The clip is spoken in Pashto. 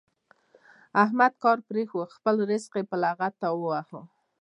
احمد کار پرېښود؛ خپل زرق يې په لغته وواهه.